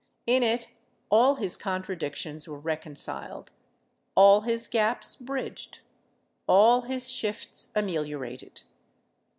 In it all his contradictions were reconciled, all his gaps bridged, all his shifts ameliorated.